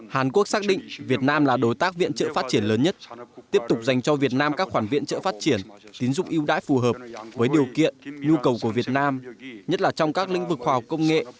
hàn quốc xác định việt nam là đối tác viện trợ phát triển lớn nhất tiếp tục dành cho việt nam các khoản viện trợ phát triển tín dụng yêu đãi phù hợp với điều kiện nhu cầu của việt nam nhất là trong các lĩnh vực khoa học công nghệ